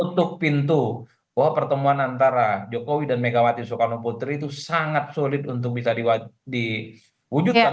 tutup pintu bahwa pertemuan antara jokowi dan megawati soekarno putri itu sangat sulit untuk bisa diwujudkan